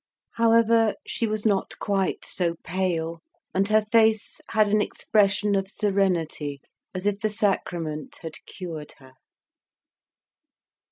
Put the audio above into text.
However, she was not quite so pale, and her face had an expression of serenity as if the sacrament had cured her.